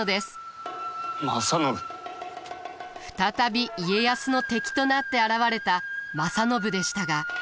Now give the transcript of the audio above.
再び家康の敵となって現れた正信でしたが。